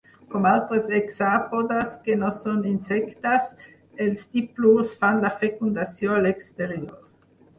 Com altres hexàpodes que no són insectes, els diplurs fan la fecundació a l'exterior.